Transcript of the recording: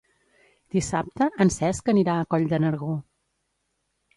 Dissabte en Cesc anirà a Coll de Nargó.